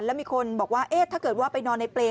แล้วมีคนบอกว่าถ้าเกิดว่าไปนอนในเปรย